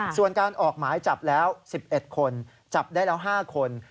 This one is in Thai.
ส่วนการออกหมายจับแล้ว๑๑คนจับได้แล้ว๕คน